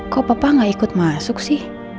kok bapak nggak ikut masuk sih